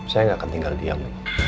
saya gak akan tinggal diam